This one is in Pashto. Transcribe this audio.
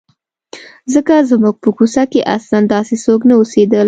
ځکه زموږ په کوڅه کې اصلاً داسې څوک نه اوسېدل.